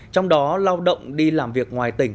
trong đó lao động đi làm việc ngoài tỉnh